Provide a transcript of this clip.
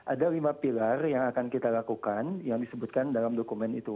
ada lima pilar yang akan kita lakukan yang disebutkan dalam dokumen itu